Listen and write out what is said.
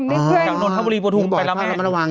โทษทีน้องน้องน้องโทษทีน้องโทษทีน้อง